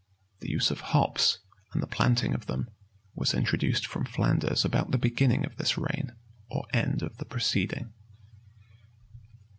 The use of hops, and the planting of them, was introduced from Flanders about the beginning of this reign, or end of the preceding.